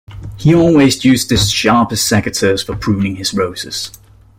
He always used his sharpest secateurs for pruning his roses